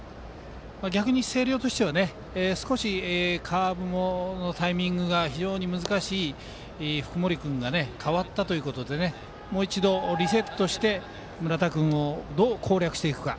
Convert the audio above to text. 逆に星稜としては少しカーブのタイミングが非常に難しい福盛君が代わったということでもう一度リセットして村田君をどう攻略していくか